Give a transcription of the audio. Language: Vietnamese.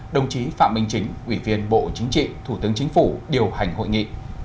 đồng chí phạm minh chính ủy viên bộ chính trị thủ tướng chính phủ điều hành hội nghị